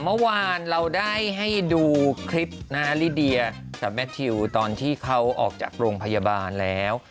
เมื่อวานเราได้ให้ดูคลิปนะฮะลิเดียกับแมททิวตอนที่เขาออกจากโรงพยาบาลแล้ว